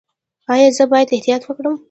ایا زه باید احتیاط وکړم؟